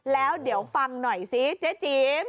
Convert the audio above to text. แล้วเดี๋ยวฟังหน่อยซิเจ๊จิ๋ม